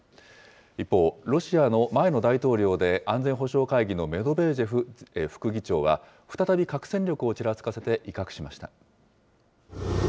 一方、ロシアの前の大統領で安全保障会議のメドベージェフ副議長は、再び核戦力をちらつかせて威嚇しました。